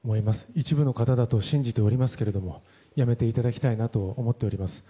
一部の方だと信じておりますけれどもやめていただきたいなと思っております。